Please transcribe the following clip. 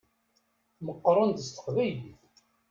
Meqqṛen-d s teqbaylit.